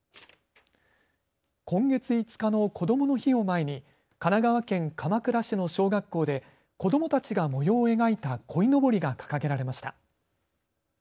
今月５日のこどもの日を前に神奈川県鎌倉市の小学校で子どもたちが模様を描いたこいのぼりが掲げられました。